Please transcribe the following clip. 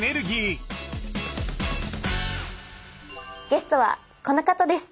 ゲストはこの方です！